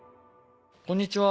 こんにちは。